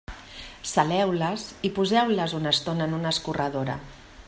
Saleu-les i poseu-les una estona en una escorredora.